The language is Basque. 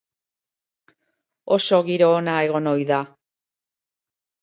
Oso giro ona egon ohi da.